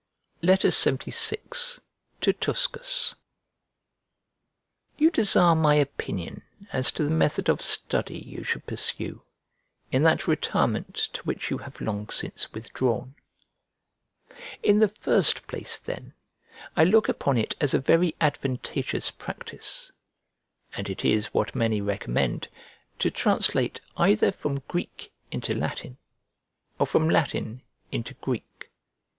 LXXVI To TUSCUS You desire my opinion as to the method of study you should pursue, in that retirement to which you have long since withdrawn. In the first place, then, I look upon it as a very advantageous practice (and it is what many recommend) to translate either from Greek into Latin or from Latin into Greek.